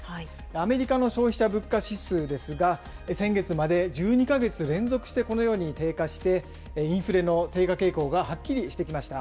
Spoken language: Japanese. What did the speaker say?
アメリカの消費者物価指数ですが、先月まで１２か月連続してこのように低下して、インフレの低下傾向がはっきりしてきました。